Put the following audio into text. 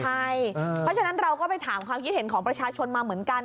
เพราะฉะนั้นเราก็ไปถามความคิดเห็นของประชาชนมาเหมือนกัน